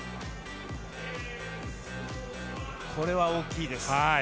これは大きいです。